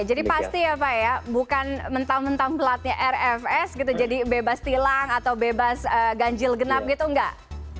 jadi ini apa ya pak ya bukan mentang mentang pelatnya rfs gitu jadi bebas tilang atau bebas ganjil genap gitu enggak